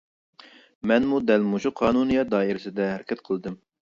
مەنمۇ دەل مۇشۇ قانۇنىيەت دائىرىسىدە ھەرىكەت قىلدىم.